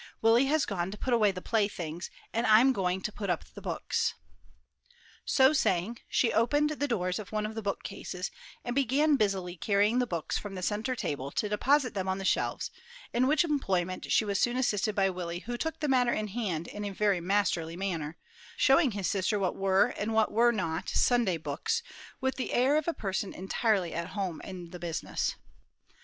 Willie has gone to put away the playthings, and I'm going to put up the books." So saying, she opened the doors of one of the bookcases, and began busily carrying the books from the centre table to deposit them on the shelves, in which employment she was soon assisted by Willie, who took the matter in hand in a very masterly manner, showing his sister what were and what were not "Sunday books" with the air of a person entirely at home in the business.